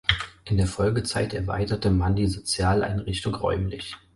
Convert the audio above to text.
In der Folgezeit erweiterte man die Sozialeinrichtung räumlich.